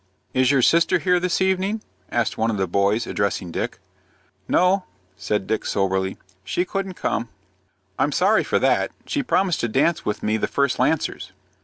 "Is your sister here this evening?" asked one of the boys, addressing Dick. "No," said Dick, soberly; "she couldn't come." "I'm sorry for that. She promised to dance with me the first Lancers."